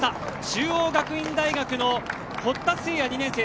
中央学院大学の堀田晟礼、２年生